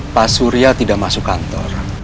pak surya tidak masuk kantor